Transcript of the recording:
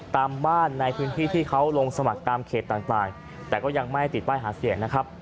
ตามบ้านในพื้นที่ที่เขาลงสมัครตามเขตต่างแต่ก็ยังไม่ติดป้ายหาเสียงนะครับ